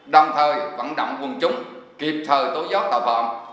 đồng thời vận động quân chúng kịp thời tối gió tàu phạm